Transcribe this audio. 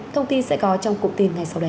thông tin sẽ có trong cụm tin ngay sau đây